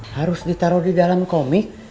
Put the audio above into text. harus ditaruh di dalam komik